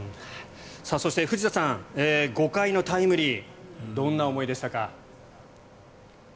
そして藤田さん５回のタイムリーどんな思いでしたか？